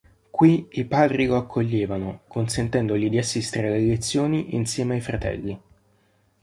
Qui i padri lo accoglievano, consentendogli di assistere alle lezioni insieme ai fratelli.